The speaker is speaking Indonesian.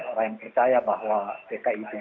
orang yang percaya bahwa pki itu